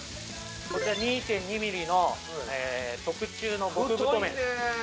こちら２．２ミリの特注の極太麺。